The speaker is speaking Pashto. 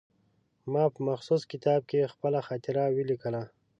ما په مخصوص کتاب کې خپله خاطره ولیکله.